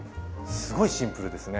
すごいシンプルですね。